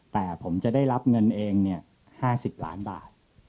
แต่ผมจะได้รับเงินเอง๕๐ล้านบาท